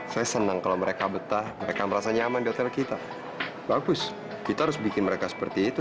saya senang kalau mereka betah mereka merasa nyaman di hotel kita bagus kita harus bikin mereka seperti itu